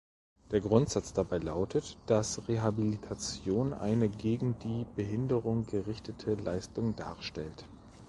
Der Grundsatz dabei lautet, dass Rehabilitation eine gegen die Behinderung gerichtete Leistung darstellt.